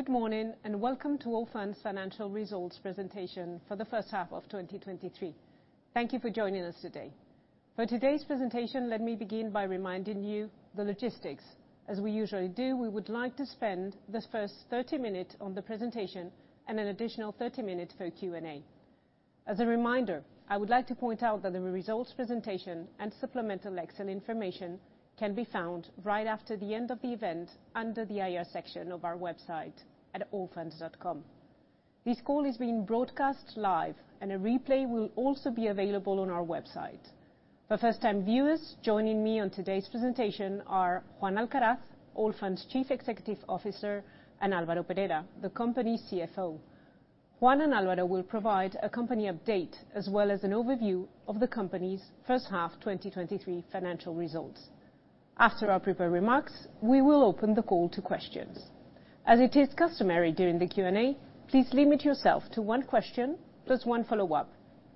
Good morning, and welcome to Allfunds Financial Results presentation for the first half of 2023. Thank you for joining us today. For today's presentation, let me begin by reminding you the logistics. As we usually do, we would like to spend the first 30 minutes on the presentation and an additional 30 minutes for Q&A. As a reminder, I would like to point out that the results presentation and supplemental Excel information can be found right after the end of the event under the IR section of our website at allfunds.com. This call is being broadcast live, and a replay will also be available on our website. For first-time viewers, joining me on today's presentation are Juan Alcaraz, Allfunds Chief Executive Officer, and Alvaro Perera, the company's CFO. Juan and Alvaro will provide a company update, as well as an overview of the company's H1 2023 financial results. After our prepared remarks, we will open the call to questions. As it is customary during the Q&A, please limit yourself to one question, plus one follow-up.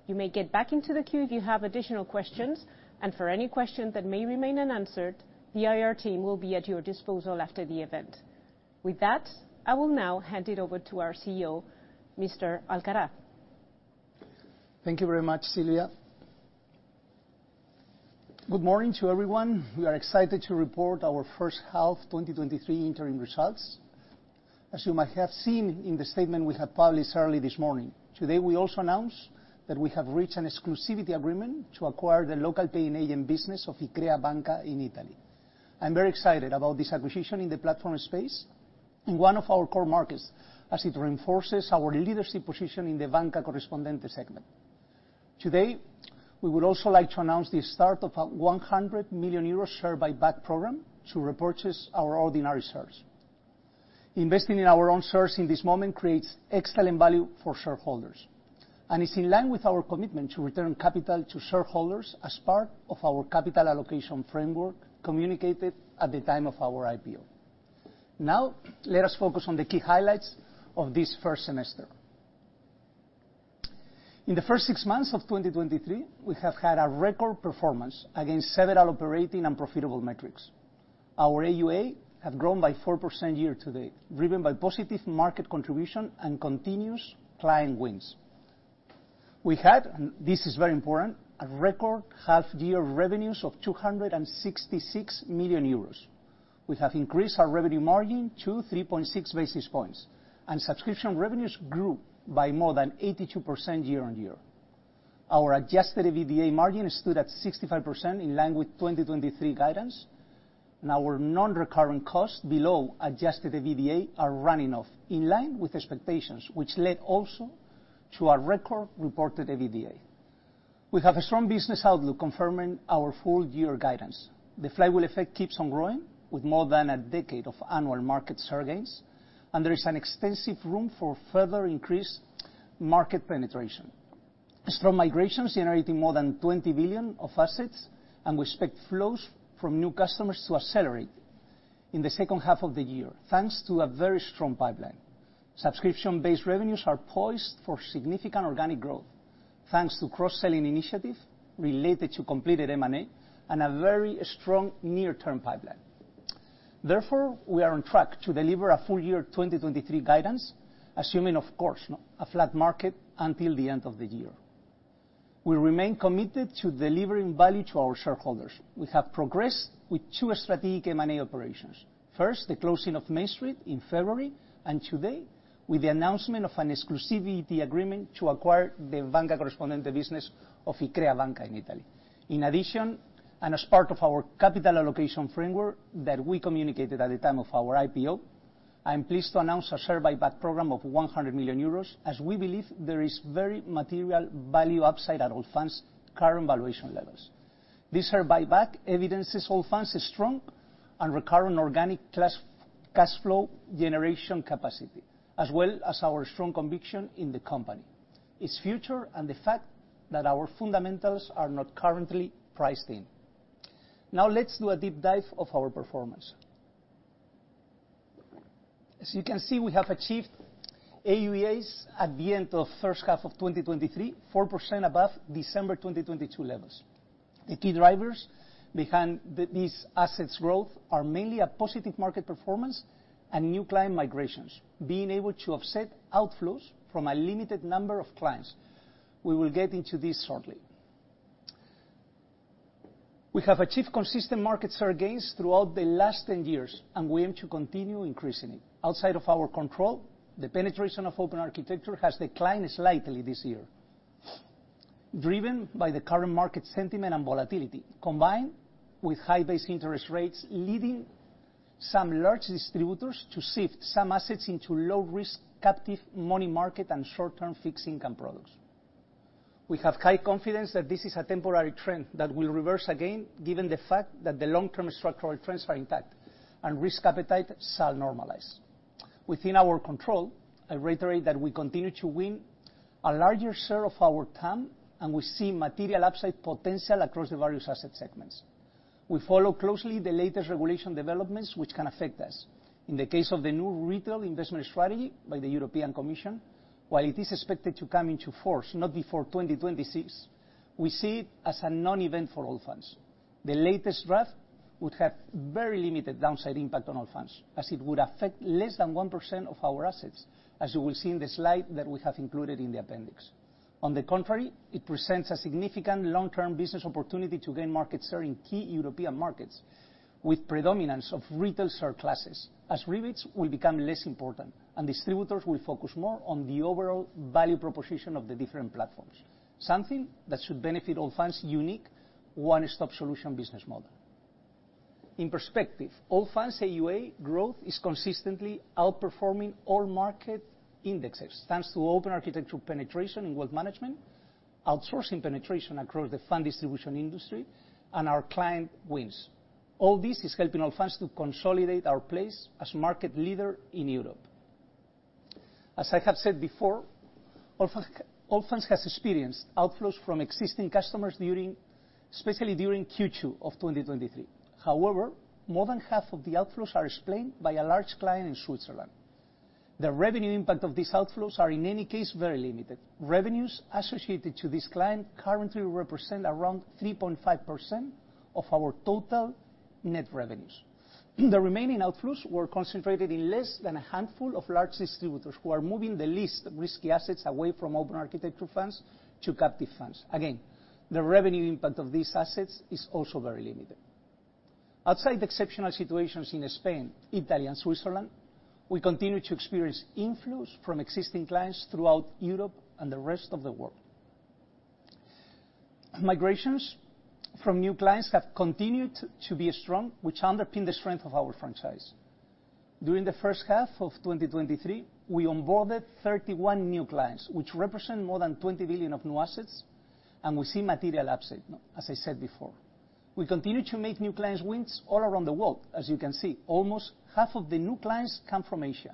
You may get back into the queue if you have additional questions, and for any questions that may remain unanswered, the IR team will be at your disposal after the event. With that, I will now hand it over to our CEO, Mr. Alcaraz. Thank you very much, Celia. Good morning to everyone. We are excited to report our first half 2023 interim results. As you might have seen in the statement we have published early this morning, today, we also announce that we have reached an exclusivity agreement to acquire the local paying agent business of Iccrea Banca in Italy. I'm very excited about this acquisition in the platform space in one of our core markets, as it reinforces our leadership position in the Banca Corrispondente segment. Today, we would also like to announce the start of a 100 million euro share buyback program to repurchase our ordinary shares. Investing in our own shares in this moment creates excellent value for shareholders, and is in line with our commitment to return capital to shareholders as part of our capital allocation framework communicated at the time of our IPO. Now, let us focus on the key highlights of this first semester. In the first 6 months of 2023, we have had a record performance against several operating and profitable metrics. Our AuA have grown by 4% year-to-date, driven by positive market contribution and continuous client wins. We had, and this is very important, a record half-year revenues of 266 million euros. We have increased our revenue margin to 3.6 basis points, and subscription revenues grew by more than 82% year-on-year. Our adjusted EBITDA margin stood at 65%, in line with 2023 guidance, and our non-recurring costs below adjusted EBITDA are running off, in line with expectations, which led also to our record-reported EBITDA. We have a strong business outlook confirming our full year guidance. The flywheel effect keeps on growing, with more than a decade of annual market share gains. There is an extensive room for further increased market penetration. Strong migrations generating more than 20 billion of assets. We expect flows from new customers to accelerate in the second half of the year, thanks to a very strong pipeline. Subscription-based revenues are poised for significant organic growth, thanks to cross-selling initiatives related to completed M&A and a very strong near-term pipeline. We are on track to deliver a full year 2023 guidance, assuming, of course, a flat market until the end of the year. We remain committed to delivering value to our shareholders. We have progressed with 2 strategic M&A operations. First, the closing of MainStreet Partners in February, today, with the announcement of an exclusivity agreement to acquire the Banca Corrispondente business of Iccrea Banca in Italy. In addition, as part of our capital allocation framework that we communicated at the time of our IPO, I am pleased to announce a share buyback program of 100 million euros, as we believe there is very material value upside at Allfunds' current valuation levels. This share buyback evidences Allfunds' strong and recurring organic cash flow generation capacity, as well as our strong conviction in the company, its future, and the fact that our fundamentals are not currently priced in. Now, let's do a deep dive of our performance. As you can see, we have achieved AuAs at the end of first half of 2023, 4% above December 2022 levels. The key drivers behind these assets growth are mainly a positive market performance and new client migrations, being able to offset outflows from a limited number of clients. We will get into this shortly. We have achieved consistent market share gains throughout the last 10 years, and we aim to continue increasing it. Outside of our control, the penetration of open architecture has declined slightly this year, driven by the current market sentiment and volatility, combined with high-base interest rates, leading some large distributors to shift some assets into low-risk, captive money market and short-term fixed income products. We have high confidence that this is a temporary trend that will reverse again, given the fact that the long-term structural trends are intact and risk appetite shall normalize. Within our control, I reiterate that we continue to win a larger share of our TAM, and we see material upside potential across the various asset segments. We follow closely the latest regulation developments which can affect us. In the case of the new Retail Investment Strategy by the European Commission, while it is expected to come into force not before 2026, we see it as a non-event for Allfunds. The latest draft would have very limited downside impact on Allfunds, as it would affect less than 1% of our assets, as you will see in the slide that we have included in the appendix. On the contrary, it presents a significant long-term business opportunity to gain market share in key European markets with predominance of retail share classes, as rebates will become less important and distributors will focus more on the overall value proposition of the different platforms, something that should benefit Allfunds' unique one-stop solution business model. In perspective, Allfunds' AUA growth is consistently outperforming all market indexes, thanks to open architecture penetration in wealth management, outsourcing penetration across the fund distribution industry, and our client wins. All this is helping Allfunds to consolidate our place as market leader in Europe. As I have said before, Allfunds has experienced outflows from existing customers during, especially during Q2 of 2023. However, more than half of the outflows are explained by a large client in Switzerland. The revenue impact of these outflows are, in any case, very limited. Revenues associated to this client currently represent around 3.5% of our total net revenues. The remaining outflows were concentrated in less than a handful of large distributors, who are moving the least risky assets away from open architecture funds to captive funds. Again, the revenue impact of these assets is also very limited. Outside the exceptional situations in Spain, Italy, and Switzerland, we continue to experience inflows from existing clients throughout Europe and the rest of the world. Migrations from new clients have continued to be strong, which underpin the strength of our franchise. During the first half of 2023, we onboarded 31 new clients, which represent more than 20 billion of new assets, and we see material upside, as I said before. We continue to make new clients wins all around the world. As you can see, almost half of the new clients come from Asia,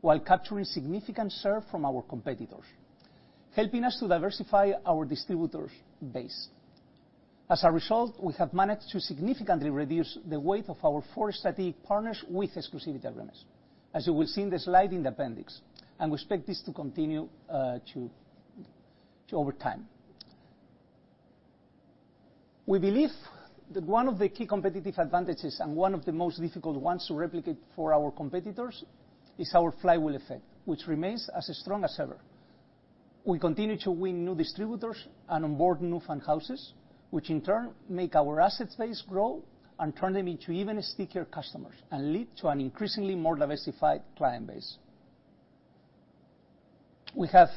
while capturing significant share from our competitors, helping us to diversify our distributors' base. As a result, we have managed to significantly reduce the weight of our four strategic partners with exclusivity agreements, as you will see in the slide in the appendix, and we expect this to continue to, to over time. We believe that one of the key competitive advantages, and one of the most difficult ones to replicate for our competitors, is our flywheel effect, which remains as strong as ever. We continue to win new distributors and onboard new fund houses, which in turn make our assets base grow and turn them into even stickier customers and lead to an increasingly more diversified client base. We have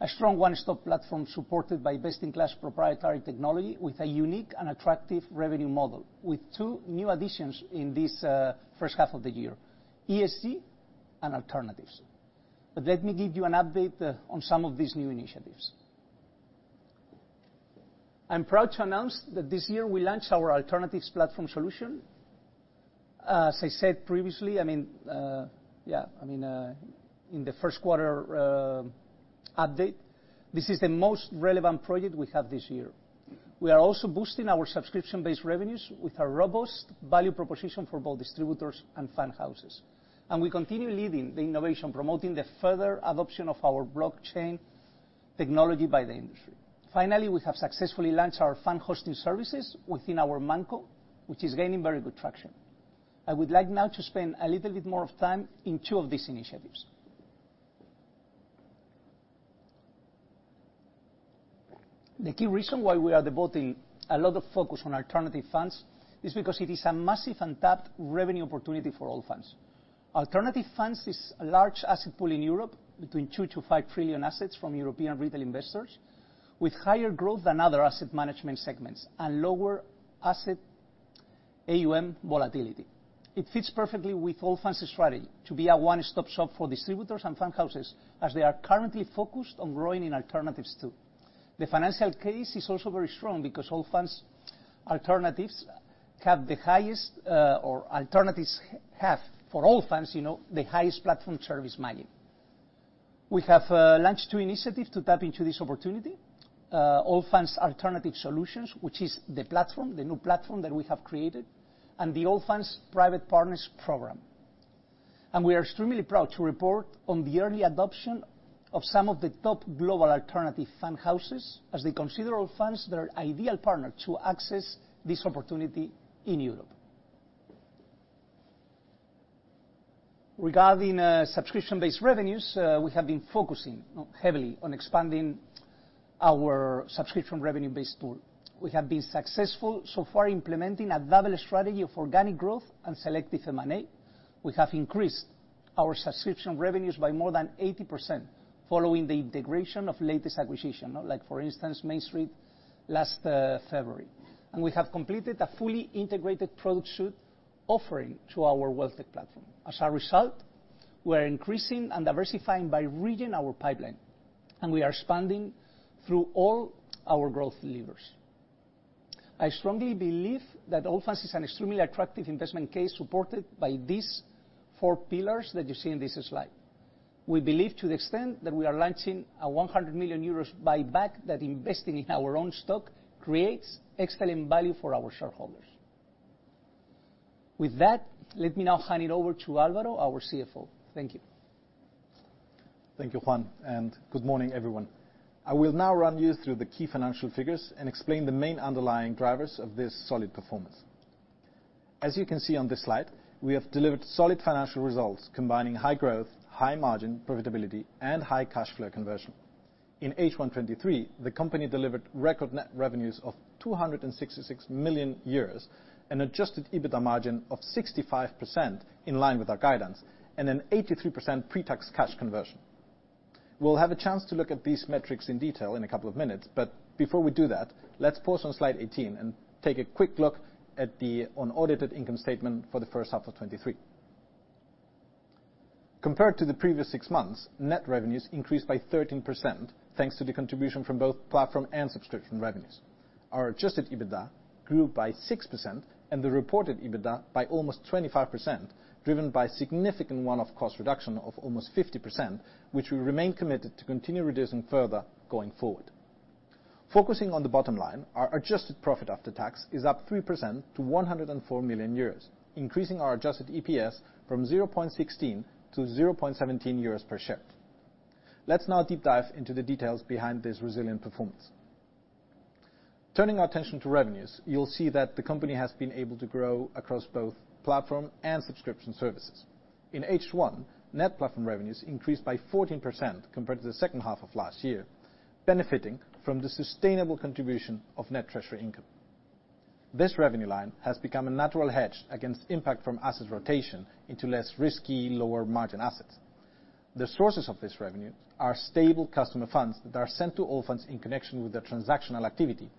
a strong one-stop platform supported by best-in-class proprietary technology, with a unique and attractive revenue model, with two new additions in this, first half of the year: ESG and alternatives. Let me give you an update on some of these new initiatives. I'm proud to announce that this year we launched our alternatives platform solution. As I said previously, I mean, I mean, in the first quarter, update, this is the most relevant project we have this year. We are also boosting our subscription-based revenues with a robust value proposition for both distributors and fund houses. We continue leading the innovation, promoting the further adoption of our blockchain technology by the industry. Finally, we have successfully launched our fund hosting services within our ManCo, which is gaining very good traction. I would like now to spend a little bit more of time in two of these initiatives. The key reason why we are devoting a lot of focus on alternative funds is because it is a massive untapped revenue opportunity for Allfunds. Alternative funds is a large asset pool in Europe, between 2 trillion-5 trillion assets from European retail investors, with higher growth than other asset management segments and lower AUM volatility. It fits perfectly with Allfunds' strategy to be a one-stop shop for distributors and fund houses, as they are currently focused on growing in alternatives, too. The financial case is also very strong, because Allfunds alternatives have the highest, or alternatives have, for Allfunds, you know, the highest platform service margin. We have launched two initiatives to tap into this opportunity. Allfunds Alternative Solutions, which is the platform, the new platform that we have created, and the Allfunds Private Partners Program. We are extremely proud to report on the early adoption of some of the top global alternative fund houses, as they consider Allfunds their ideal partner to access this opportunity in Europe. Regarding subscription-based revenues, we have been focusing heavily on expanding our subscription revenue base pool. We have been successful so far implementing a double strategy of organic growth and selective M&A. We have increased our subscription revenues by more than 80% following the integration of latest acquisition, like, for instance, MainStreet, last February. We have completed a fully integrated product suite offering to our WealthTech platform. As a result, we are increasing and diversifying by region our pipeline, and we are expanding through all our growth levers. I strongly believe that Allfunds is an extremely attractive investment case, supported by these four pillars that you see in this slide. We believe, to the extent, that we are launching a 100 million euros buyback, that investing in our own stock creates excellent value for our shareholders. Let me now hand it over to Alvaro, our CFO. Thank you. Thank you, Juan. Good morning, everyone. I will now run you through the key financial figures and explain the main underlying drivers of this solid performance. As you can see on this slide, we have delivered solid financial results, combining high growth, high margin profitability, and high cash flow conversion. In H1 2023, the company delivered record net revenues of 266 million euros, an adjusted EBITDA margin of 65%, in line with our guidance, and an 83% pretax cash conversion. We'll have a chance to look at these metrics in detail in a couple of minutes. Before we do that, let's pause on Slide 18 and take a quick look at the unaudited income statement for the first half of 2023. Compared to the previous six months, net revenues increased by 13%, thanks to the contribution from both platform and subscription revenues. Our adjusted EBITDA grew by 6% and the reported EBITDA by almost 25%, driven by significant one-off cost reduction of almost 50%, which we remain committed to continue reducing further going forward. Focusing on the bottom line, our adjusted profit after tax is up 3% to 104 million euros, increasing our adjusted EPS from 0.16-0.17 euros per share. Let's now deep dive into the details behind this resilient performance. Turning our attention to revenues, you'll see that the company has been able to grow across both platform and subscription services. In H1, net platform revenues increased by 14% compared to the second half of last year, benefiting from the sustainable contribution of net treasury income. This revenue line has become a natural hedge against impact from asset rotation into less risky, lower-margin assets. The sources of this revenue are stable customer funds that are sent to Allfunds in connection with their transactional activity,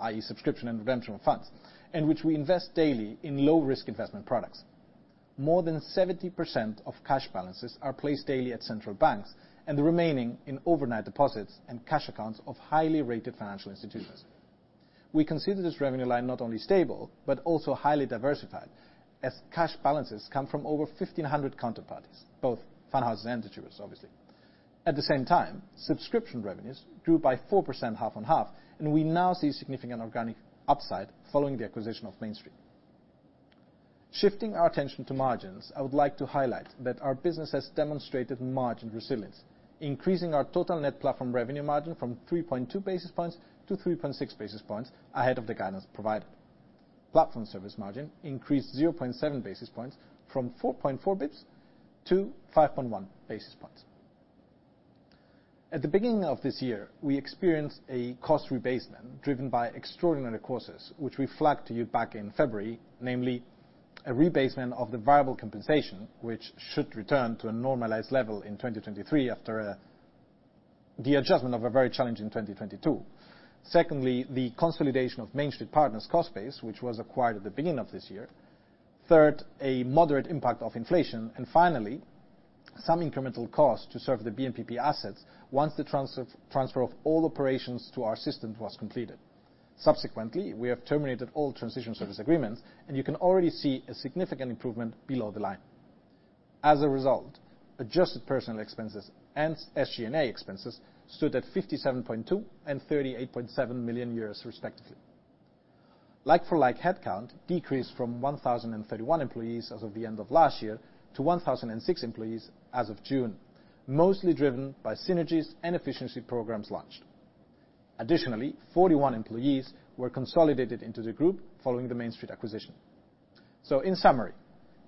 i.e., subscription and redemption of funds, in which we invest daily in low-risk investment products. More than 70% of cash balances are placed daily at central banks, and the remaining in overnight deposits and cash accounts of highly rated financial institutions. We consider this revenue line not only stable, but also highly diversified, as cash balances come from over 1,500 counterparties, both fund houses and distributors, obviously. At the same time, subscription revenues grew by 4% half on half, and we now see significant organic upside following the acquisition of MainStreet. Shifting our attention to margins, I would like to highlight that our business has demonstrated margin resilience, increasing our total net platform revenue margin from 3.2 basis points to 3.6 basis points ahead of the guidance provided. Platform service margin increased 0.7 basis points from 4.4-5.1 basis points. At the beginning of this year, we experienced a cost rebasement driven by extraordinary courses, which we flagged to you back in February, namely, a rebasement of the variable compensation, which should return to a normalized level in 2023 after the adjustment of a very challenging 2022. Secondly, the consolidation of MainStreet Partners cost base, which was acquired at the beginning of this year. Third, a moderate impact of inflation. Finally, some incremental cost to serve the BNPP assets once the transfer of all operations to our system was completed. Subsequently, we have terminated all transition service agreements. You can already see a significant improvement below the line. As a result, adjusted personnel expenses and SG&A expenses stood at 57.2 million and 38.7 million euros, respectively. Like for like, headcount decreased from 1,031 employees as of the end of last year to 1,006 employees as of June, mostly driven by synergies and efficiency programs launched. Additionally, 41 employees were consolidated into the group following the MainStreet acquisition. In summary,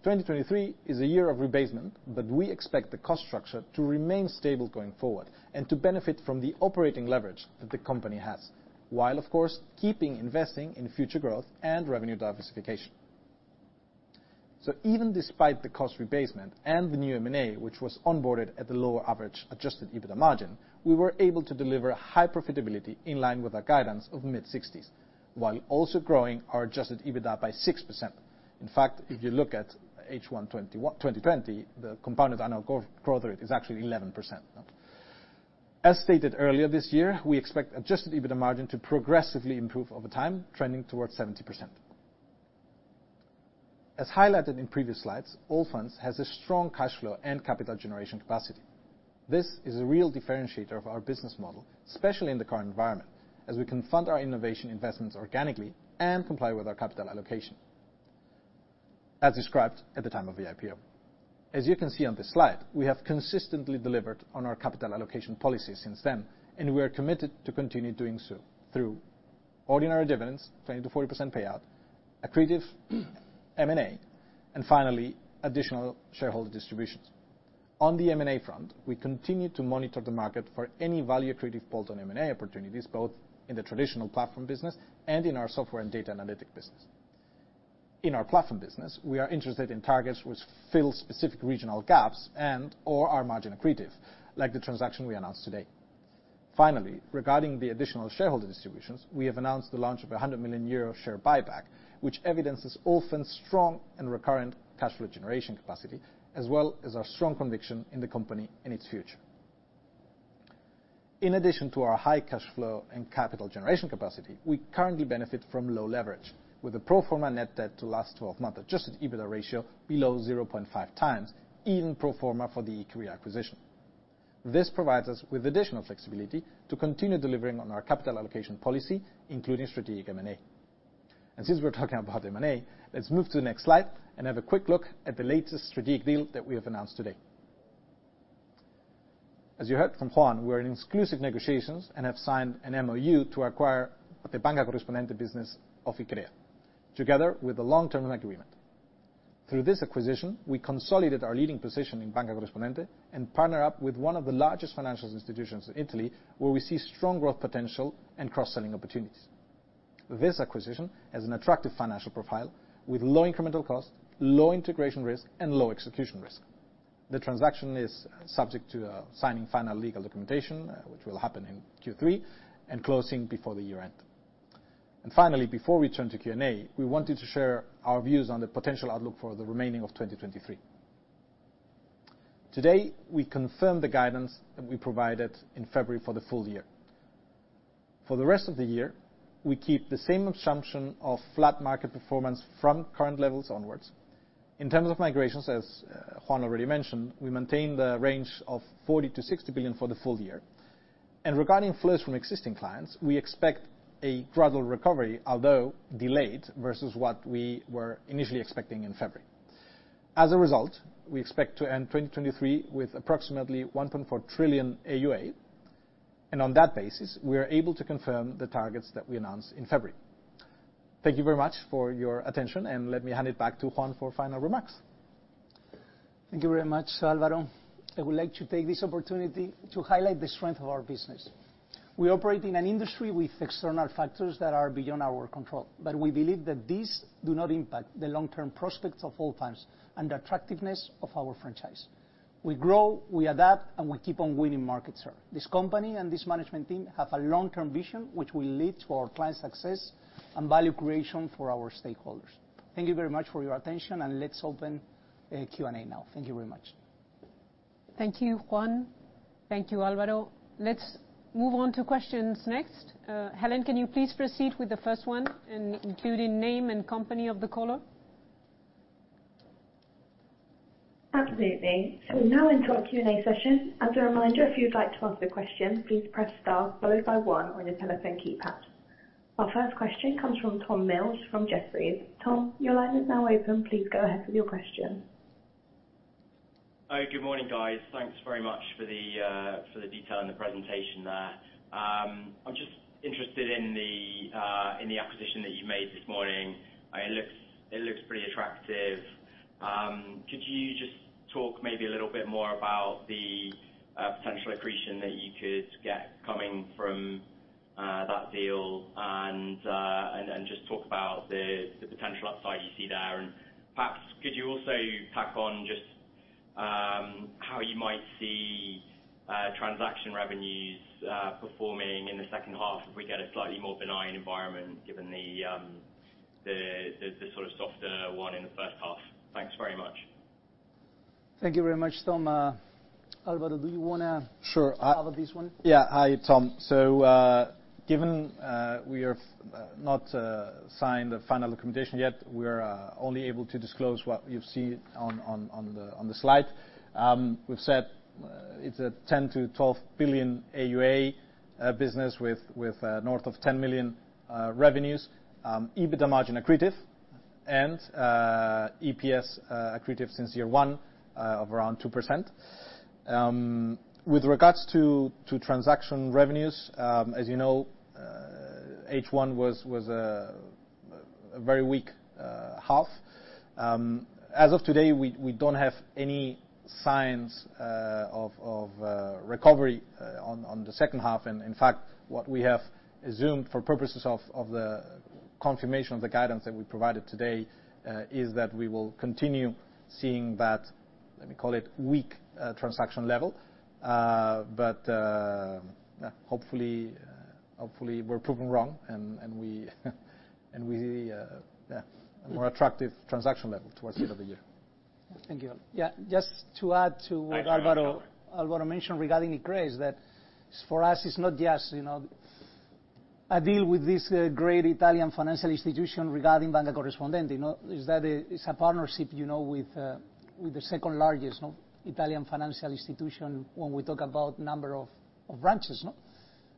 2023 is a year of rebasement, but we expect the cost structure to remain stable going forward and to benefit from the operating leverage that the company has, while, of course, keeping investing in future growth and revenue diversification. Even despite the cost rebasement and the new M&A, which was onboarded at a lower average adjusted EBITDA margin, we were able to deliver high profitability in line with our guidance of mid-sixties, while also growing our adjusted EBITDA by 6%. In fact, if you look at H1 2020, the compounded annual growth rate is actually 11%. As stated earlier this year, we expect adjusted EBITDA margin to progressively improve over time, trending towards 70%. As highlighted in previous slides, Allfunds has a strong cash flow and capital generation capacity. This is a real differentiator of our business model, especially in the current environment, as we can fund our innovation investments organically and comply with our capital allocation, as described at the time of the IPO. As you can see on this slide, we have consistently delivered on our capital allocation policy since then, and we are committed to continue doing so through ordinary dividends, 20%-40% payout, accretive M&A, and finally, additional shareholder distributions. On the M&A front, we continue to monitor the market for any value accretive bolt-on M&A opportunities, both in the traditional platform business and in our software and data analytic business. In our platform business, we are interested in targets which fill specific regional gaps and/or are margin accretive, like the transaction we announced today. Finally, regarding the additional shareholder distributions, we have announced the launch of a 100 million euro share buyback, which evidences Allfunds' strong and recurrent cash flow generation capacity, as well as our strong conviction in the company and its future. In addition to our high cash flow and capital generation capacity, we currently benefit from low leverage with a pro forma net debt to last twelve month Adjusted EBITDA ratio below 0.5 times, even pro forma for the Iccrea acquisition. This provides us with additional flexibility to continue delivering on our capital allocation policy, including strategic M&A. Since we're talking about M&A, let's move to the next slide and have a quick look at the latest strategic deal that we have announced today. As you heard from Juan, we're in exclusive negotiations and have signed an MOU to acquire the Banca Corrispondente business of Iccrea, together with a long-term agreement. Through this acquisition, we consolidated our leading position in Banca Corrispondente, partner up with one of the largest financial institutions in Italy, where we see strong growth potential and cross-selling opportunities. This acquisition has an attractive financial profile with low incremental cost, low integration risk, and low execution risk. The transaction is subject to signing final legal documentation, which will happen in Q3, closing before the year end. Finally, before we turn to Q&A, we wanted to share our views on the potential outlook for the remaining of 2023. Today, we confirm the guidance that we provided in February for the full year. For the rest of the year, we keep the same assumption of flat market performance from current levels onwards. In terms of migrations, as Juan already mentioned, we maintain the range of 40 billion-60 billion for the full year. Regarding flows from existing clients, we expect a gradual recovery, although delayed, versus what we were initially expecting in February. As a result, we expect to end 2023 with approximately 1.4 trillion AuA, and on that basis, we are able to confirm the targets that we announced in February. Thank you very much for your attention, let me hand it back to Juan for final remarks. Thank you very much, Alvaro. I would like to take this opportunity to highlight the strength of our business. We operate in an industry with external factors that are beyond our control, but we believe that these do not impact the long-term prospects of Allfunds and the attractiveness of our franchise. We grow, we adapt, and we keep on winning market share. This company and this management team have a long-term vision, which will lead to our clients' success and value creation for our stakeholders. Thank you very much for your attention, and let's open Q&A now. Thank you very much. Thank you, Juan. Thank you, Alvaro. Let's move on to questions next. Helen, can you please proceed with the first one, and including name and company of the caller? Absolutely. We now enter our Q&A session. As a reminder, if you'd like to ask a question, please press star followed by one on your telephone keypad. Our first question comes from Tom Mills, from Jefferies. Tom, your line is now open. Please go ahead with your question. Hi, good morning, guys. Thanks very much for the for the detail and the presentation there. I'm just interested in the in the acquisition that you made this morning. It looks, it looks pretty attractive. Could you just talk maybe a little bit more about the potential accretion that you could get coming from that deal, and and just talk about the the potential upside you see there? And perhaps, could you also tack on just how you might see transaction revenues performing in the second half if we get a slightly more benign environment, given the the the sort of softer one in the first half? Thanks very much. Thank you very much, Tom. Alvaro, do you wanna- Sure. Cover this one? Yeah. Hi, Tom. Given we have not signed the final documentation yet, we are only able to disclose what you've seen on, on, on the, on the slide. We've said it's a 10 billion-12 billion AuA business with north of 10 million revenues, EBITDA margin accretive, and EPS accretive since year one of around 2%. With regards to transaction revenues, as you know, H1 was a very weak half. As of today, we don't have any signs of recovery on the second half. In fact, what we have assumed for purposes of the confirmation of the guidance that we provided today, is that we will continue seeing that, let me call it, weak, transaction level. Hopefully, hopefully, we're proven wrong, and, and we, and we, yeah, a more attractive transaction level towards the end of the year. Thank you. Yeah, just to add to what- Thanks very much.... Alvaro, Alvaro mentioned regarding Iccrea Banca, is that for us, it's not just, you know, a deal with this great Italian financial institution regarding Banca Corrispondente, you know? Is that it's a partnership, you know, with the second-largest Italian financial institution, when we talk about number of branches.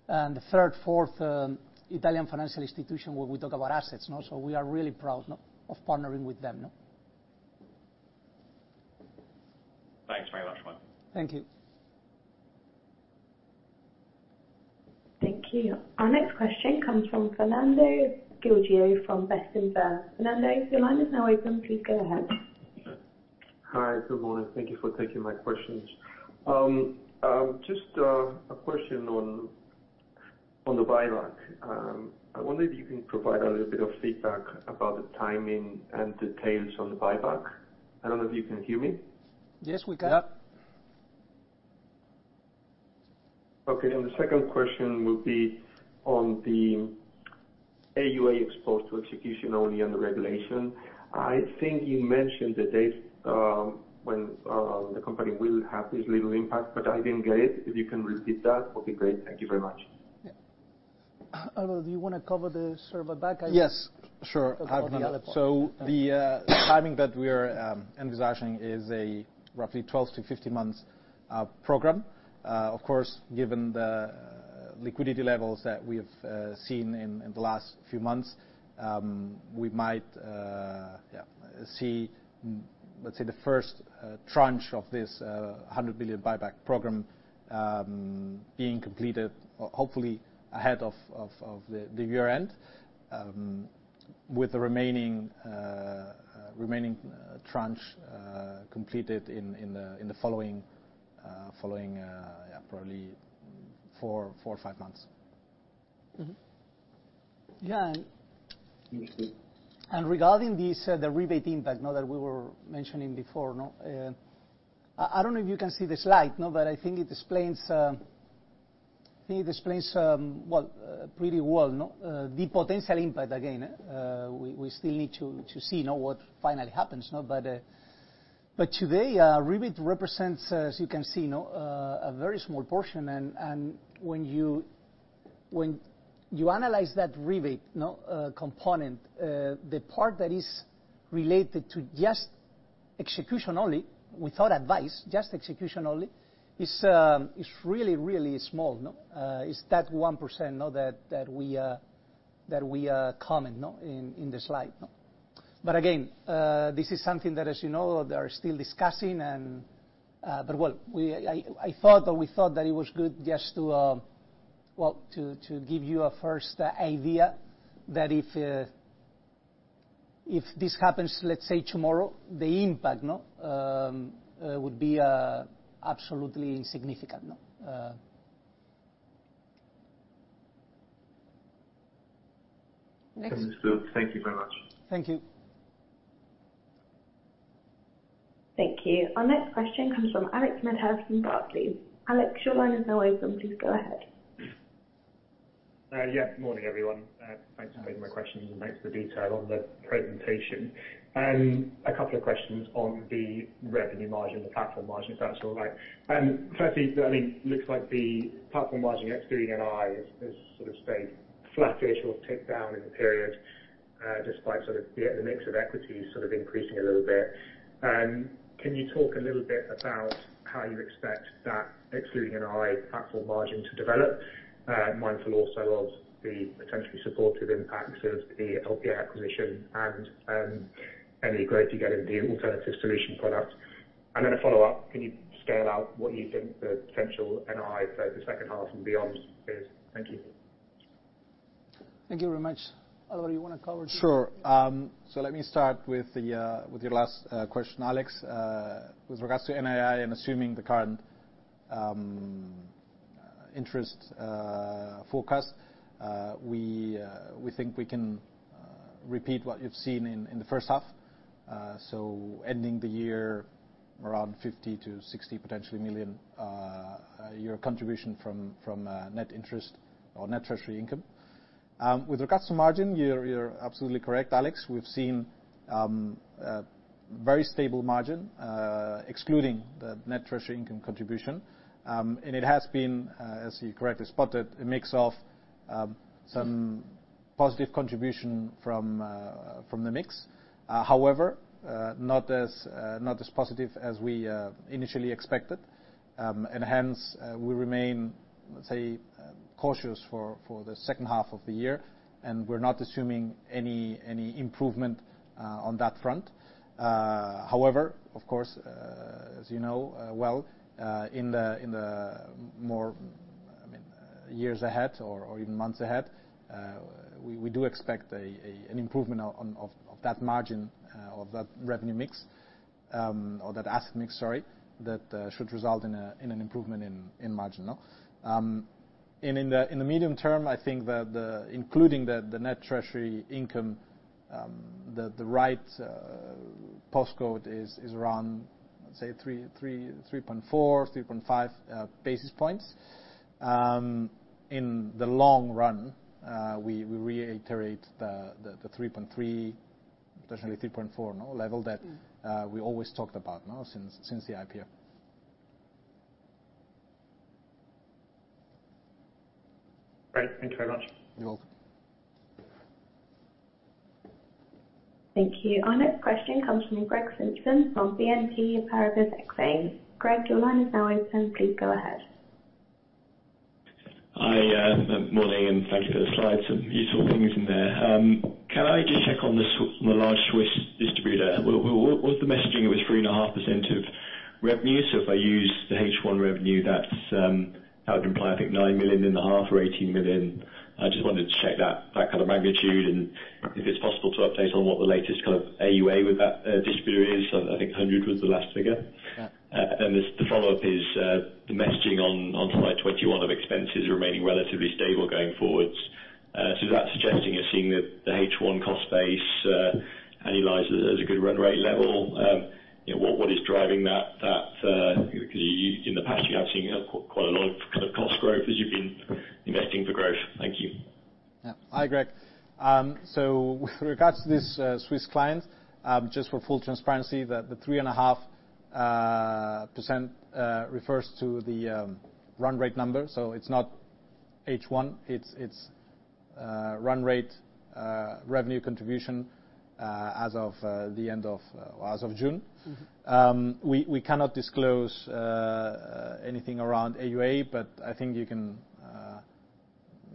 The third, fourth Italian financial institution, when we talk about assets. We are really proud of partnering with them. Thanks very much, Juan. Thank you. Thank you. Our next question comes from Fernando Gil de from Bernstein. Fernando, your line is now open. Please go ahead. Hi, good morning. Thank you for taking my questions. Just a question on the buyback. I wonder if you can provide a little bit of feedback about the timing and details on the buyback. I don't know if you can hear me? Yes, we can. Yeah. Okay, the second question will be on the AuA exposed to execution only under regulation. I think you mentioned the dates when the company will have this little impact, but I didn't get it. If you can repeat that, that would be great. Thank you very much. Alvaro, do you want to cover the share buyback? Yes, sure. I can. The timing that we are envisaging is a roughly 12-15 months program. Of course, given the liquidity levels that we have seen in the last few months, we might, yeah, see, let's say, the first tranche of this 100 billion buyback program being completed, hopefully ahead of the year-end. With the remaining tranche completed in the following, probably 4-5 months. Mm-hmm. Yeah, regarding this, the rebate impact, now that we were mentioning before. I, I don't know if you can see the slide, but I think it explains, I think it explains, well, pretty well, the potential impact. Again, we, we still need to, to see now what finally happens, but. Today, rebate represents, as you can see, a very small portion. When you, when you analyze that rebate, component, the part that is related to just execution only, without advice, just execution only, is really, really small. It's that 1%, that, that we, that we, comment, in, in the slide. Again, this is something that, as you know, they are still discussing, and well, I, I thought, or we thought that it was good just to, well, to give you a first idea, that if this happens, let's say, tomorrow, the impact, no, would be absolutely significant, no? Next- Thank you very much. Thank you. Thank you. Our next question comes from Alex Medhurst from Barclays. Alex, your line is now open. Please go ahead. Yeah, good morning, everyone. Thanks for taking my questions, and thanks for the detail on the presentation. A couple of questions on the revenue margin, the platform margin, if that's all right. Firstly, I think it looks like the platform margin excluding NI has stayed flattish or ticked down in the period, despite the mix of equities increasing a little bit. Can you talk a little bit about how you expect that, excluding NI, platform margin to develop? Mindful also of the potentially supportive impacts of the LPA acquisition and any growth you get in the alternative solution product. A follow-up, can you scale out what you think the potential NI for the second half and beyond is? Thank you. Thank you very much. Alvaro, do you want to cover? Sure. Let me start with your last question, Alex. With regards to NII, and assuming the current interest forecast, we think we can repeat what you've seen in the first half. Ending the year around 50-60 million euro, potentially, year contribution from net interest or net treasury income. With regards to margin, you're absolutely correct, Alex. We've seen a very stable margin, excluding the net treasury income contribution. It has been, as you correctly spotted, a mix of some positive contribution from the mix. However, not as not as positive as we initially expected. Hence, we remain, let's say, cautious for, for the second half of the year, and we're not assuming any, any improvement on that front. However, of course, as you know, well, in the, in the more, I mean, years ahead or, or even months ahead, we, we do expect an improvement on, of, of that margin, of that revenue mix, or that asset mix, sorry, that should result in an improvement in, in margin, no? In the, in the medium term, I think that the including the net treasury income, the right postcode is, is around, say 3, 3, 3.4, 3.5 basis points. In the long run, we, we reiterate the, the 3.3, potentially 3.4, level that we always talked about since the IPO. Great. Thank you very much. You're welcome. Thank you. Our next question comes from Greg Simpson from BNP Paribas Exane. Greg, your line is now open. Please go ahead. Hi, morning, thank you for the slides. Some useful points in there. Can I just check on the large Swiss distributor? What, what was the messaging? It was 3.5% of revenue. If I use the H1 revenue, that's, that would imply, I think, 9 million in the half or 18 million. I just wanted to check that, that kind of magnitude, and if it's possible to update on what the latest kind of AuA with that distributor is, I think 100 was the last figure. Yeah. The, the follow-up is, the messaging on, on slide 21 of expenses remaining relatively stable going forwards? Is that suggesting you're seeing the, the H1 cost base, analyze as a, as a good run rate level? You know, what is driving that? Because you, in the past, you have seen quite a lot of kind of cost growth as you've been investing for growth. Thank you. Yeah. Hi, Greg. With regards to this, Swiss client, just for full transparency, the 3.5-..., refers to the run rate number, so it's not H1, it's run rate revenue contribution as of the end of as of June. We cannot disclose anything around AuA, but I think you can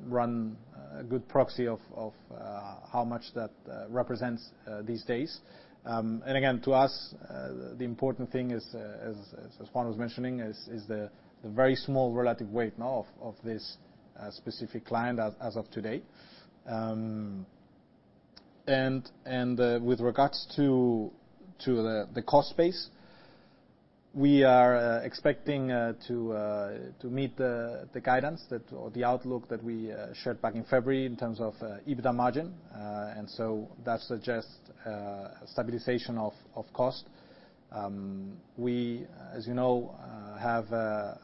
run a good proxy of how much that represents these days. And again, to us, the important thing is as Juan was mentioning, is the very small relative weight now of this specific client as of today. And with regards to the cost base, we are expecting to meet the guidance that or the outlook that we shared back in February in terms of EBITDA margin. That suggests stabilization of cost. We, as you know, have a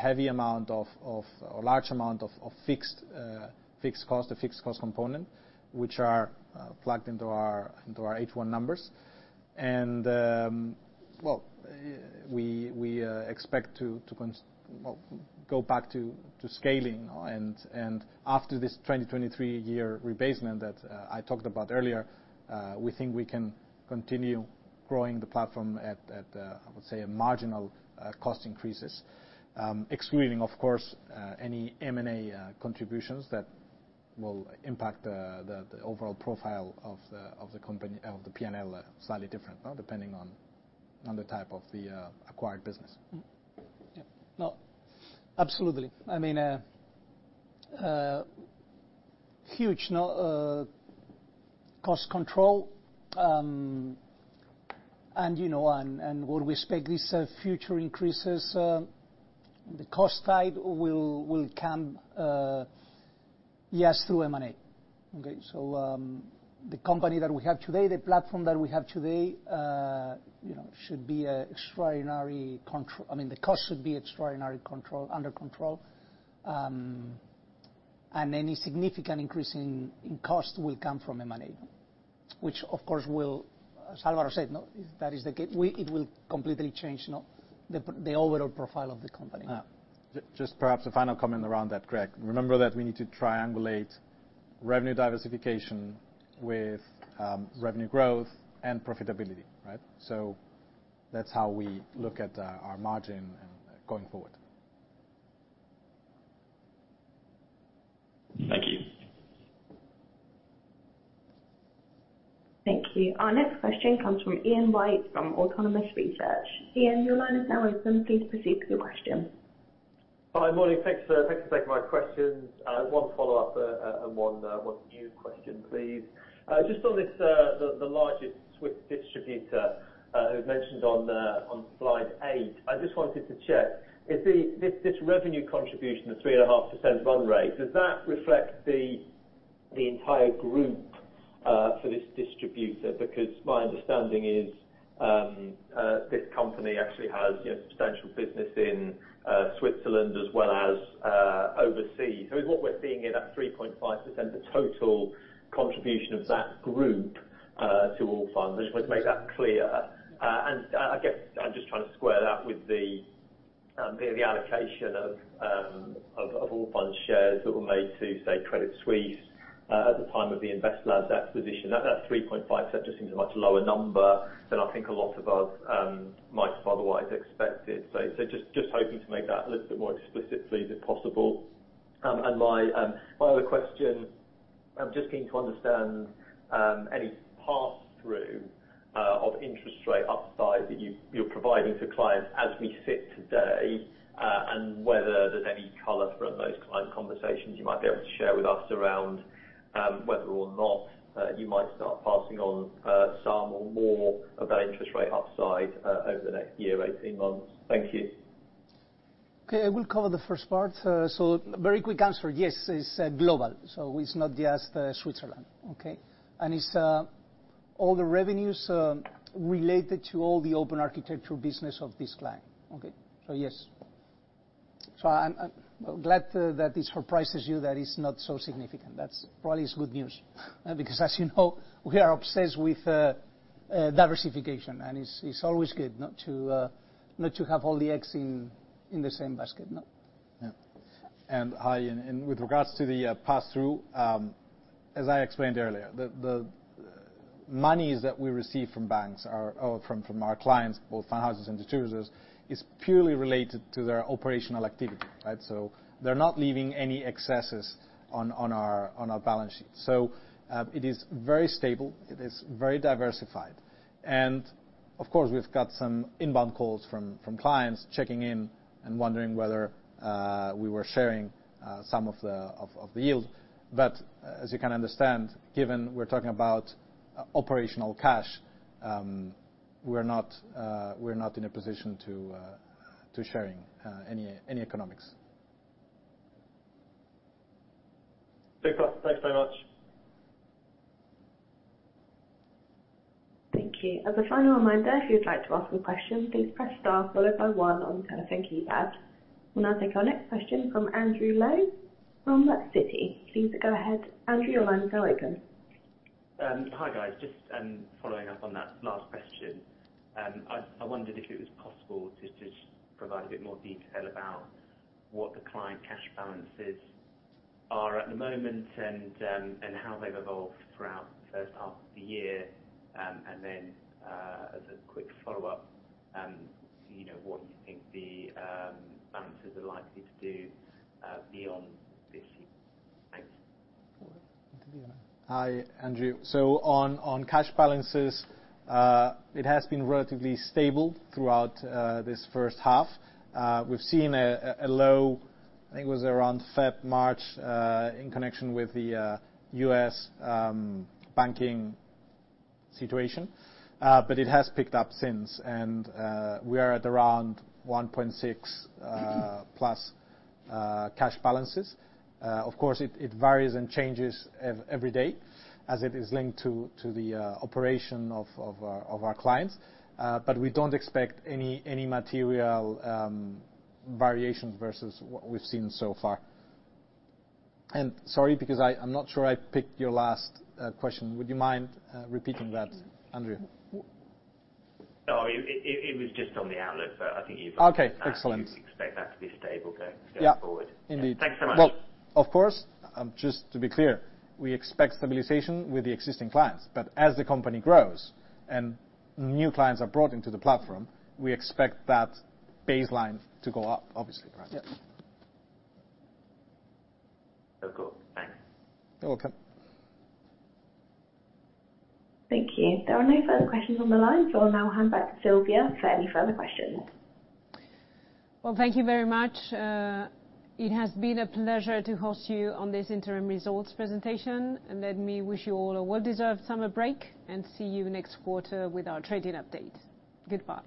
heavy amount of, a large amount of fixed, fixed cost, a fixed cost component, which are plugged into our H1 numbers. Well, we expect to go back to scaling. After this 2023 year rebasement that I talked about earlier, we think we can continue growing the platform at a marginal cost increases. Excluding, of course, any M&A contributions that will impact the overall profile of the company, of the PNL, slightly different, now depending on the type of the acquired business. Yeah. No, absolutely. I mean, huge no, cost control. You know, and, what we expect these, future increases, the cost side will, will come, yes, through M&A. Okay, the company that we have today, the platform that we have today, you know, should be extraordinary control, I mean, the cost should be extraordinary control, under control. Any significant increase in, in cost will come from M&A, which, of course, will, as Alvaro said, no, it will completely change, you know, the, the overall profile of the company. Just perhaps a final comment around that, Greg. Remember that we need to triangulate revenue diversification with revenue growth and profitability, right? That's how we look at our margin going forward. Thank you. Thank you. Our next question comes from Ian White, from Autonomous Research. Ian, your line is now open. Please proceed with your question. Hi, morning. Thanks for taking my questions. One follow-up and one new question, please. Just on this, the largest swift distributor, who was mentioned on slide 8. I just wanted to check, is this revenue contribution, the 3.5% run rate, does that reflect the entire group for this distributor? Because my understanding is, this company actually has, you know, substantial business in Switzerland as well as overseas. Is what we're seeing in that 3.5%, the total contribution of that group to Allfunds? I just want to make that clear. I, I guess I'm just trying to square that with the, the allocation of, of, of Allfunds shares that were made to, say, Credit Suisse, at the time of the InvestLab acquisition. That, that 3.5, that just seems a much lower number than I think a lot of us, might have otherwise expected. So, so just, just hoping to make that a little bit more explicit, please, if possible. My other question, I'm just keen to understand any pass-through of interest rate upside that you're providing for clients as we sit today, and whether there's any color from those client conversations you might be able to share with us around whether or not you might start passing on some or more of that interest rate upside over the next year, 18 months. Thank you. Okay, I will cover the first part. very quick answer, yes, it's global, so it's not just Switzerland, okay? It's all the revenues related to all the open architectural business of this client, okay? Yes. I'm, I'm glad that this surprises you, that it's not so significant. That's probably is good news, because as you know, we are obsessed with diversification, and it's, it's always good not to not to have all the eggs in, in the same basket, no? Yeah. With regards to the pass-through, as I explained earlier, the monies that we receive from banks are, or from, from our clients, both fund houses and distributors, is purely related to their operational activity, right? They're not leaving any excesses on our balance sheet. It is very stable, it is very diversified. Of course, we've got some inbound calls from clients checking in and wondering whether we were sharing some of the yield. As you can understand, given we're talking about operational cash, we're not in a position to sharing any economics. Thanks a lot. Thanks very much. Thank you. As a final reminder, if you'd like to ask a question, please press star followed by one on your telephone keypad. We'll now take our next question from Andrew Lowe from Citi. Please go ahead, Andrew, your line is now open.... Hi, guys. Just, following up on that last question, I wondered if it was possible to just provide a bit more detail about what the client cash balances are at the moment, and, and how they've evolved throughout the first half of the year. Then, as a quick follow-up, you know, what you think the balances are likely to do beyond this year? Thanks. Hi, Andrew. On, on cash balances, it has been relatively stable throughout this first half. We've seen a low, I think it was around February, March, in connection with the U.S. banking situation. But it has picked up since, we are at around 1.6 plus cash balances. Of course, it varies and changes every day as it is linked to the operation of our clients. We don't expect any material variations versus what we've seen so far. Sorry, because I'm not sure I picked your last question. Would you mind repeating that, Andrew? No, I mean, it was just on the outlook, but I think. Okay, excellent. You expect that to be stable going, Yeah. going forward. Indeed. Thanks so much. Well, of course, just to be clear, we expect stabilization with the existing clients, but as the company grows and new clients are brought into the platform, we expect that baseline to go up, obviously, right? Yep. Oh, cool. Thanks. You're welcome. Thank you. There are no further questions on the line. I'll now hand back to Silvia for any further questions. Well, thank you very much. It has been a pleasure to host you on this interim results presentation, and let me wish you all a well-deserved summer break and see you next quarter with our trading update. Goodbye!